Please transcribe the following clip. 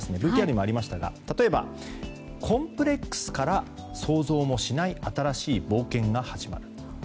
ＶＴＲにもありましたが例えば、「コンプレックスから想像もしない新しい冒険が始まる。」